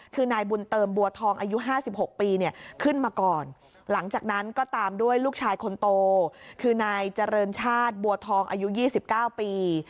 คือนายเจริญชาติบัวทองอายุ๒๙ปี